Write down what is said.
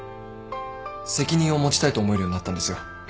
責任を持ちたいと思えるようになったんですよ。